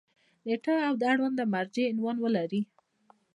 نیټه او د اړونده مرجع عنوان ولري.